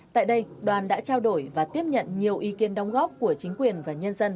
tại đây đoàn đã trao đổi và tiếp nhận nhiều ý kiến đóng góp của chính quyền và nhân dân